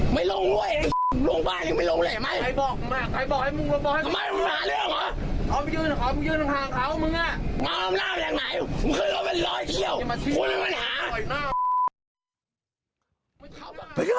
เป็นยังไงเป็นยังไง